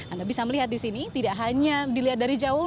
anda bisa melihat di sini tidak hanya dilihat dari jauh